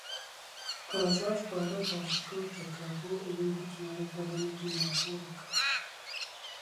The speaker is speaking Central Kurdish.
ئازاد پارە پاشەکەوت دەکات بۆ ئەوەی بتوانێت بەلەمێکی ماتۆڕ بکڕێت.